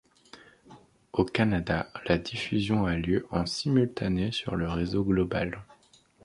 Au Canada, la diffusion a lieu en simultané sur le réseau Global.